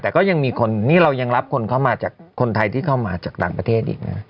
แต่ก็ยังมีคนนี่เรายังรับคนเข้ามาจากคนไทยที่เข้ามาจากต่างประเทศอีกนะ